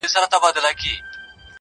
کنې خوراک به د ګيدړو شئ زمري وساتئ